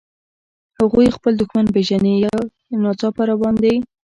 هغوی خپل دښمن پېژني، که یو ناڅاپه را باندې.